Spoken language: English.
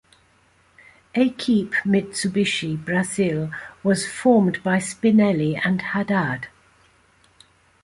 Equipe Mitsubishi Brasil was formed by Spinelli and Haddad.